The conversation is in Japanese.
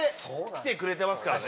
来てくれてますからね。